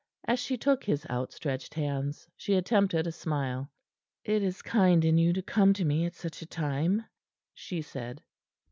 As she took his outstretched hands, she attempted a smile. "It is kind in you to come to me at such a time," she said.